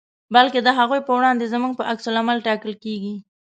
بلکې د هغو په وړاندې زموږ په عکس العمل ټاکل کېږي.